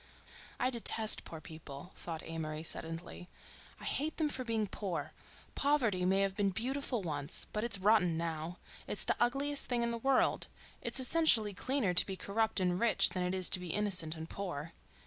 "I detest poor people," thought Amory suddenly. "I hate them for being poor. Poverty may have been beautiful once, but it's rotten now. It's the ugliest thing in the world. It's essentially cleaner to be corrupt and rich than it is to be innocent and poor."